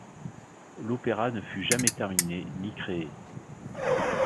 L'opéra ne fut jamais terminé, ni créé.